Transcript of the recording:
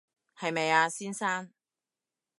係咪啊，先生